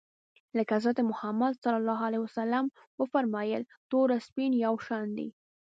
لکه حضرت محمد ص و فرمایل تور او سپین یو شان دي.